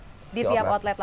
di tiap outlet langsung